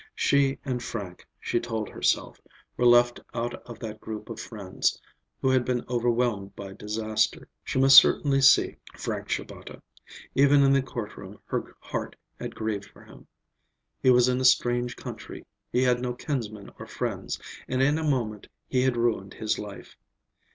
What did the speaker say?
She and Frank, she told herself, were left out of that group of friends who had been overwhelmed by disaster. She must certainly see Frank Shabata. Even in the courtroom her heart had grieved for him. He was in a strange country, he had no kinsmen or friends, and in a moment he had ruined his life.